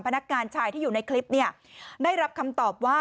พนักงานชายที่อยู่ในคลิปเนี่ยได้รับคำตอบว่า